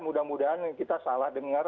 mudah mudahan kita salah dengar